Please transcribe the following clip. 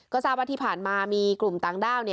ก็ทราบว่าที่ผ่านมามีกลุ่มต่างด้าว